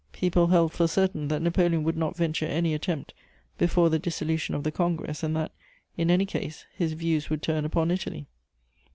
People held for certain that Napoleon would not venture any attempt before the dissolution of the Congress and that, in any case, his views would turn upon Italy.